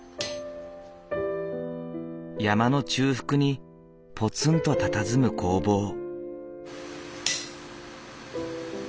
山の中腹にぽつんとたたずむ工房。